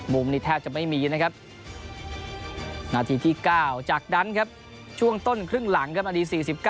มุมนี้แทบจะไม่มีนะครับนาทีที่๙จากนั้นครับช่วงต้นครึ่งหลังครับนาที๔๙